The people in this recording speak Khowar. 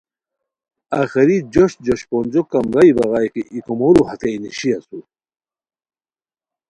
آخری جوش جوشپونجو کمرائی بغائے کی ای کومورو ہتئے نیشی اسور